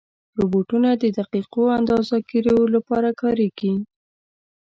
روبوټونه د دقیقو اندازهګیرو لپاره کارېږي.